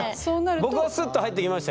僕はスッと入ってきましたよ。